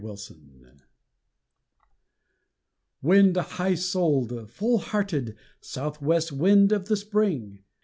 XXXI Wind, high souled, full hearted South west wind of the spring!